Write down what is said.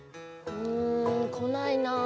うん来ないなぁ。